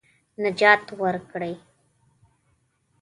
نجات ورکړي.